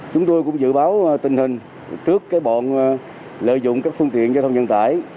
chúng tôi cũng dự báo tình hình trước bọn lợi dụng các phương tiện giao thông nhận tải